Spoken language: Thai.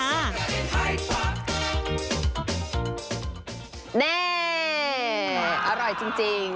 นี่อร่อยจริง